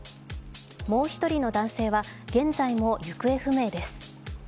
もう一人の男性は現在も行方不明です。